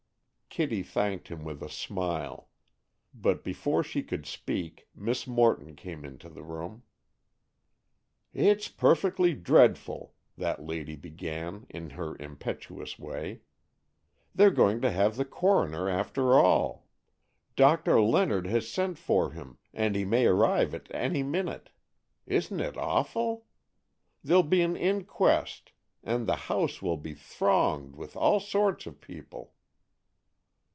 Kitty thanked him with a smile, but before she could speak, Miss Morton came into the room. "It's perfectly dreadful," that lady began, in her impetuous way; "they're going to have the coroner after all! Doctor Leonard has sent for him and he may arrive at any minute. Isn't it awful? There'll be an inquest, and the house will be thronged with all sorts of people!"